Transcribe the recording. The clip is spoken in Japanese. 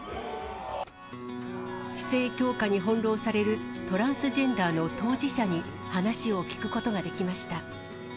規制強化に翻弄されるトランスジェンダーの当事者に話を聞くことができました。